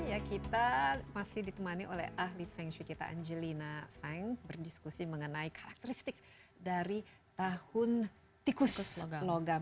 ya kita masih ditemani oleh ahli feng shui kita angelina feng berdiskusi mengenai karakteristik dari tahun tikusus logam